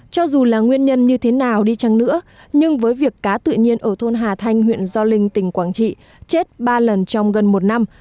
cho dù là nguyên nhân như thế nào đi chăng nữa nhưng với việc cá tự nhiên ở thôn hà thanh huyện gio linh tỉnh quảng trị chết ba lần trong gần một năm